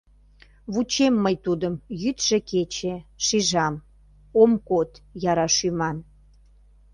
Вучем мый тудым йӱдшӧ-кече, Шижам: ом код яра шӱман.